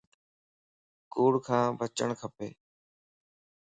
ڪوڙ کان بچڻ کپ